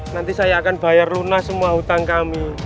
nanti saya akan bayar lunas semua hutang kami